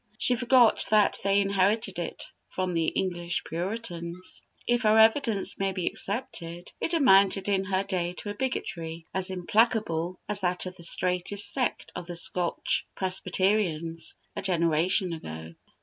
She forgot that they inherited it from the English Puritans. If her evidence may be accepted, it amounted in her day to a bigotry as implacable as that of the straitest sect of the Scotch Presbyterians a generation ago.